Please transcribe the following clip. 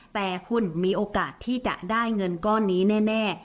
แต่คุณมีโอกาสที่จะได้เงินก้อนนี้แน่